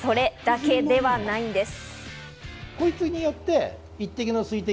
ただ、それだけではないんです。